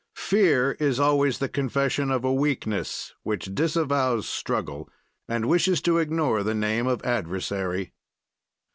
"Fear is always the confession of a weakness which disavows struggle and wishes to ignore the name of adversary.